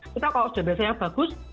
kita kalau sudah biasa yang bagus